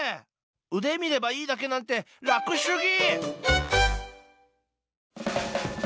うで見ればいいだけなんて楽すぎ！